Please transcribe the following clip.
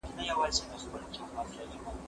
زه اوږده وخت ونې ته اوبه ورکوم!